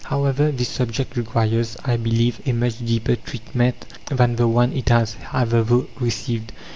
However, this subject requires, I believe, a much deeper treatment than the one it has hitherto received.